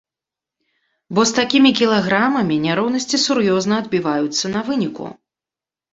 Бо з такімі кілаграмамі няроўнасці сур'ёзна адбіваюцца на выніку.